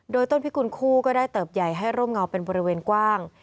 โดยต้นพิกุลคู่ก็ได้เติบใหญ่ให้ร่มเงาเป็นบริเวณกว้าง